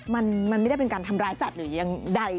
มันไม่ได้เป็นการทำร้ายสัตว์หรือยังใด